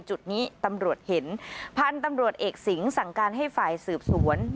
จุดนี้ตำรวจเห็นพันธุ์ตำรวจเอกสิงห์สั่งการให้ฝ่ายสืบสวน